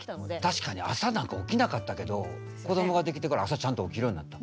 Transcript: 確かに朝なんか起きなかったけど子どもができてから朝ちゃんと起きるようになった。